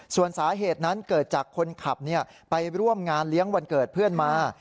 ส่วนสาเหตุนั้นเกิดจากคนขับไปร่วมงานเลี้ยงวันเกิดเพื่อนมา